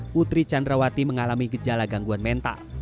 putri candrawati mengalami gejala gangguan mental